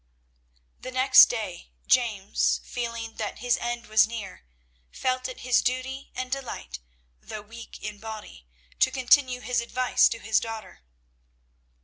The next day James, feeling that his end was near, felt it his duty and delight, though weak in body, to continue his advice to his daughter.